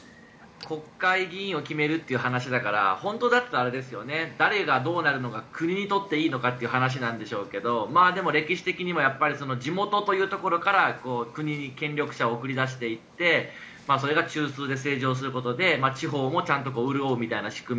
国会議員を決めるという話だから本当だったら誰がどうなるのが国にとっていいのかという話なんでしょうけどでも歴史的にも地元というところから国に権力者を送り出していってそれが中枢で政治をすることで地方もちゃんと潤うみたいな仕組み。